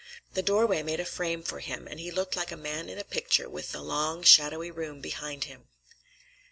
The doorway made a frame for him, and he looked like a man in a picture, with the long, shadowy room behind him.